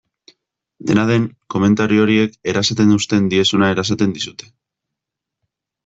Dena den, komentario horiek erasaten uzten diezuna erasaten dizute.